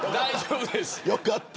よかった。